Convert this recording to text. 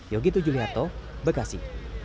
yogy tujul hato bekasi